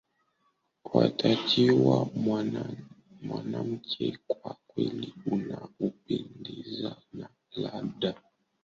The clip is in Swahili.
watakiwa mwanamke kwa kweli uwe unapendeza naa labdaa